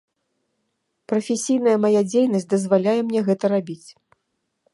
Прафесійная мая дзейнасць дазваляе мне гэта рабіць.